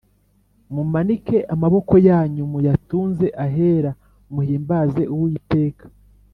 mumanike amaboko yanyu muyatunze ahera ,muhimbaze uwiteka